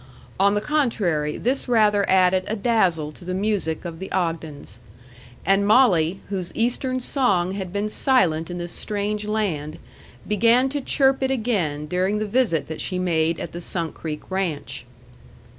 On the contrary, this rather added a dazzle to the music of the Ogdens. And Molly, whose Eastern song had been silent in this strange land, began to chirp it again during the visit that she made at the Sunk Creek Ranch.